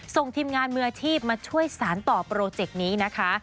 ส่งทีมงานมืออาชีพมาช่วยสารต่อโปรเจกต์นี้นะคะ